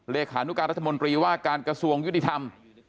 เลขานุการรัฐมนตรีว่าการกระทรวงยุติธรรม